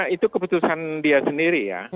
itu keputusan dia sendiri ya